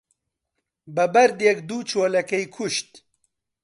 بە بەردێک دوو چۆلەکەی کوشت